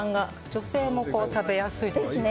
女性も食べやすいですね。